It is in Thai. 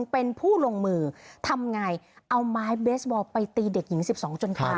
เป็นผู้ลงมือทำไงเอาไม้เบสบอลไปตีเด็กหญิง๑๒จนตาย